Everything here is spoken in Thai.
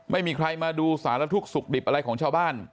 ไม่มีใครมาดูสารทุกข์สุขดิบอะไรของชาวบ้าน